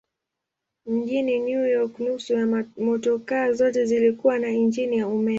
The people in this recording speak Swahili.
Mjini New York nusu ya motokaa zote zilikuwa na injini ya umeme.